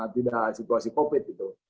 tidak situasi covid gitu